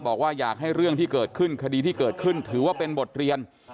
บอกว่าอยากให้เรื่องที่เกิดขึ้นคดีที่เกิดขึ้นถือว่าเป็นบทเรียน